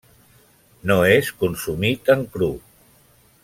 No és consumit en cru.